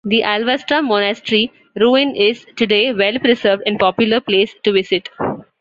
The Alvastra monastery ruin is today well preserved and popular place to visit.